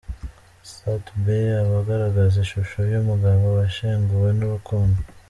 Sat B aba agaragaza ishusho y'umugabo washenguwe n'urukundo.